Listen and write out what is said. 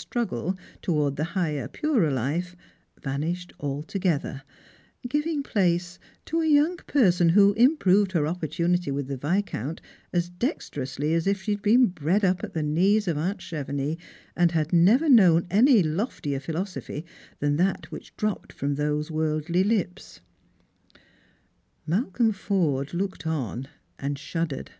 struggle towards the higher, purer life, vanished altogether, giving place to a young person who improved her opportunity with the Viscount as dexterously as if she had been bred up at the knees of aunt Chevenix, and had never known any loftier philosophy than that which dropped from those worldly lips. Malcolm Forde looked on, and shuddered.